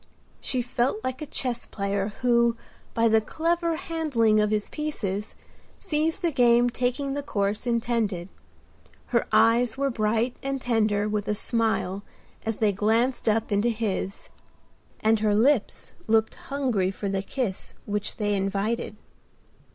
She felt like a chess player who, by the clever handling of his pieces, sees the game taking the course intended. Her eyes were bright and tender with a smile as they glanced up into his; and her lips looked hungry for the kiss which they invited.